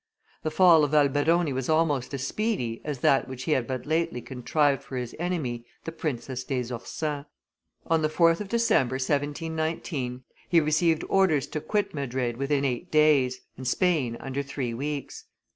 The fall of Alberoni was almost as speedy as that which he had but lately contrived for his enemy the Princess des Ursins. On the 4th of December, 1719, he received orders to quit Madrid within eight days and Spain under three weeks.